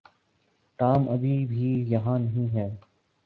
Tom ابھی بھی یہاں نہیں ہے۔